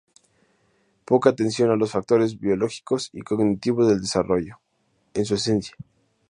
Poca atención a los factores biológicos y cognitivos del desarrollo en su esencia.